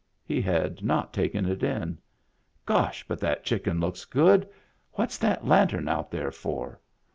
He had not taken it in. "Gosh, but that chicken looks good! What's that lantern out there for?